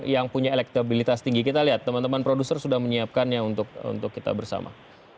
yang punya elektabilitas tinggi kita lihat teman teman produser sudah menyiapkannya untuk kita bersama